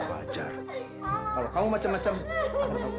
bajar kalau kamu macam macam apa panggilan anda